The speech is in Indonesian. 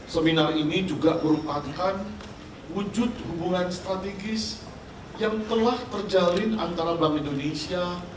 seminar ini juga merupakan wujud hubungan strategis yang telah terjalin antara bank indonesia